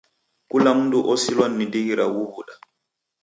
Kula mndu osilwa ni ndighi ra ughu w'uda.